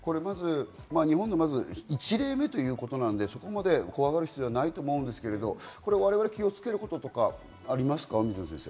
日本の１例目ということなので、そこまで怖がる必要はないと思うんですけれども、我々、気をつけることとかありますか？